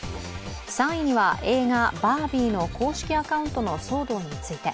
３位には、映画「バービー」の公式アカウントの騒動について。